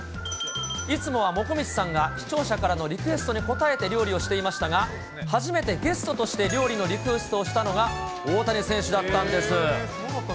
いつもはもこみちさんが視聴者からのリクエストに応えて料理をしていましたが、初めてゲストとして料理のリクエストをしたのが、大谷選手だったんです。